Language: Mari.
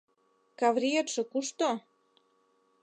Кавриетше кушто?